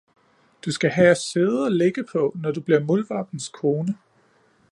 Du skal have at sidde og ligge på, når du bliver muldvarpens kone!